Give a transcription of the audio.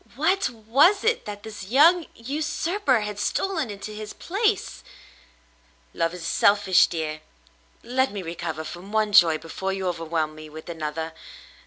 What ! Was it that this young usurper had stolen into his place ? "Love is selfish, dear. Let me recover from one joy before you overwhelm me with another.